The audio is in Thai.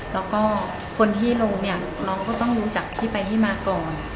แล้วก็คนที่ลงเนี่ยเราก็ต้องรู้จักที่ไปที่มาก่อน